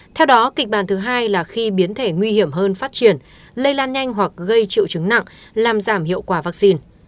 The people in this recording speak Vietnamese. theo đó kịch bản thứ hai là khi biến thể nguy hiểm hơn phát triển lây lan nhanh hoặc gây triệu chứng nặng làm giảm hiệu quả vaccine